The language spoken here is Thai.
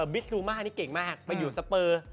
บิสดูมานี่เก่งมากไปอยู่สเปอร์